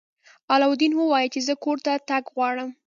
علاوالدین وویل چې زه کور ته تګ غواړم.